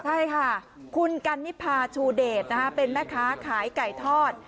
ใช่ค่ะคุณกันนิพาชูเดชเป็นแม่ค้าขายไก่ทอด